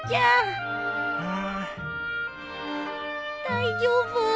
大丈夫？